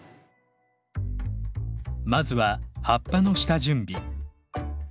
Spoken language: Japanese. まずは葉っぱの下準備。